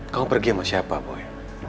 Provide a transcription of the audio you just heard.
kamu pergi sama siapa boleh